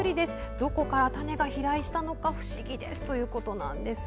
どこから種が飛来したのか不思議ですということです。